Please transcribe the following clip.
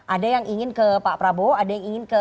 ada yang ingin ke pak prabowo ada yang ingin ke